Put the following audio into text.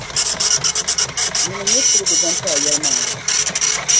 Mani n-nyɛ piligu ban ti A yɛlimaŋli.